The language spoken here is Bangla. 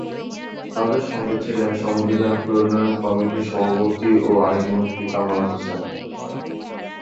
তাঁদের সঙ্গে ছিলেন সংবিধান প্রণয়ন কমিটির সভাপতি ও আইনমন্ত্রী কামাল হোসেন।